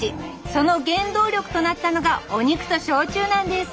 その原動力となったのがお肉と焼酎なんです！